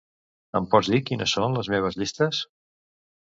Em pots dir quines són les meves llistes?